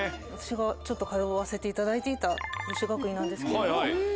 私がちょっと通わせていただいていた女子学院なんですけれども。